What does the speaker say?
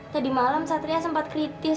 tadi malam satria sempat kritis